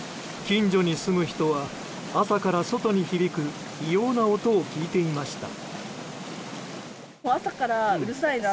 近所に住む人は朝から外に響く異様な音を聞いていました。